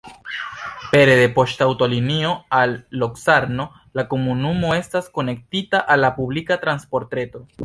Pere de poŝtaŭtolinio al Locarno la komunumo estas konektita al la publika transportreto.